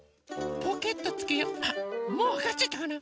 もうわかっちゃったかな？